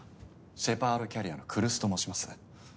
シェパードキャリアの来栖と申します。